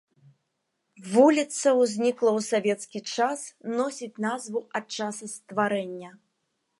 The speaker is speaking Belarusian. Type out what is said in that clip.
Вуліца ўзнікла ў савецкі час, носіць назву ад часу стварэння.